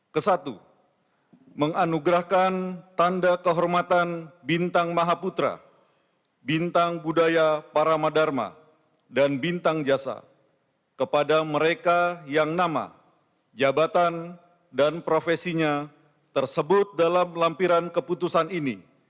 kesatu menganugerahkan tanda kehormatan bintang mahaputra bintang budaya paramadharma dan bintang jasa kepada mereka yang nama jabatan dan profesinya tersebut dalam lampiran keputusan ini